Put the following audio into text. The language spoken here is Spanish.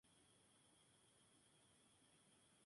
Nunca se lanzó como sencillo.